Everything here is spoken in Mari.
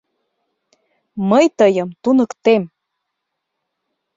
Мый тыйым туныктем!